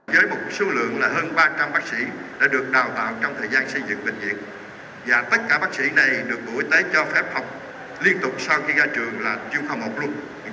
với một số lượng là hơn ba trăm linh bác sĩ đã được đào tạo trong thời gian xây dựng bệnh viện và tất cả bác sĩ này được bộ y tế cho phép học liên tục sau khi ra trường là chuyên phòng học luôn